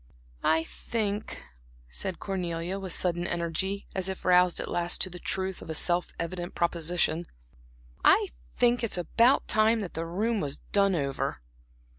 "I think," said Cornelia, with sudden energy, as if roused at last to the truth of a self evident proposition, "I think it is about time that the room was done over."